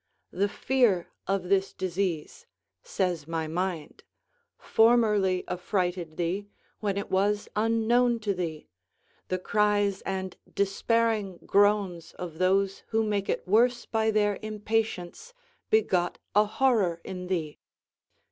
The fear of this disease," says my mind, "formerly affrighted thee, when it was unknown to thee; the cries and despairing groans of those who make it worse by their impatience, begot a horror in thee.